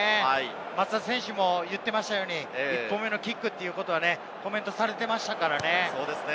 松田選手も言っていましたように、１本目のキックはコメントされていましたからね。